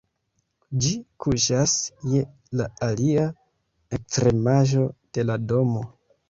Ĝi kuŝas je la alia ekstremaĵo de la domo.